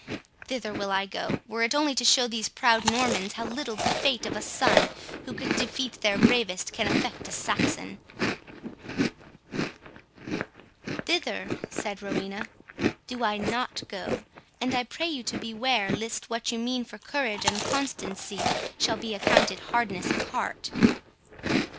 Thither will I go, were it only to show these proud Normans how little the fate of a son, who could defeat their bravest, can affect a Saxon." "Thither," said Rowena, "do I NOT go; and I pray you to beware, lest what you mean for courage and constancy, shall be accounted hardness of heart."